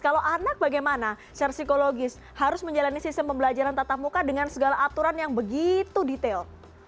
kalau anak bagaimana secara psikologis harus menjalani sistem pembelajaran tatap muka dengan segala aturan yang begitu detail